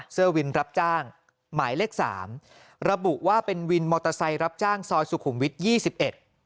เสื้อวินรับจ้างหมายเลขสามระบุว่าเป็นวินมอเตอร์ไซค์รับจ้างซอยสุขุมวิทยี่สิบเอ็ด